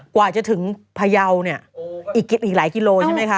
กว่าจะถึงพยาวเนี่ยอีกหลายกิโลใช่ไหมคะ